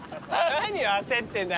何焦ってんだ？